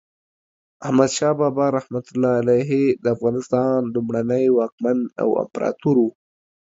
احمد شاه بابا رحمة الله علیه د افغانستان لومړی واکمن او امپراتور و.